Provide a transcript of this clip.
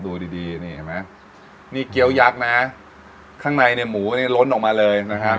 ดูดีดีนี่เห็นไหมนี่เกี้ยวยักษ์นะข้างในเนี่ยหมูนี่ล้นออกมาเลยนะครับ